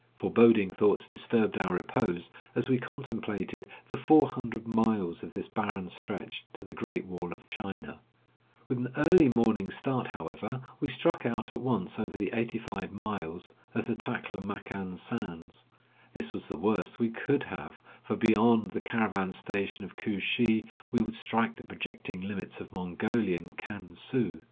Foreboding thoughts disturbed our repose, as we contemplated the four hundred miles of this barren stretch to the Great Wall of China. With an early morning start, 161 A LESSON IN CHINESE. A TRAIL IN THE GOBI DESERT. 162 Across Asia on a Bicycle however, we struck out at once over the eighty five miles of the Takla Makan sands. This was the worst we could have, for beyond the caravan station of Kooshee we would strike the projecting limits of Mongolian Kan su.